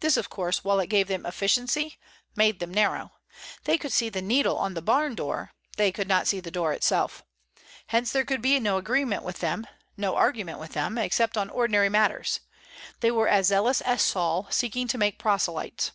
This, of course, while it gave them efficiency, made them narrow. They could see the needle on the barn door, they could not see the door itself. Hence there could be no agreement with them, no argument with them, except on ordinary matters; they were as zealous as Saul, seeking to make proselytes.